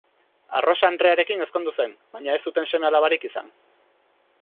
Arrosa andrearekin ezkondu zen, baina ez zuten seme-alabarik izan.